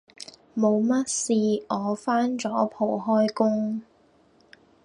冇乜事我返咗鋪開工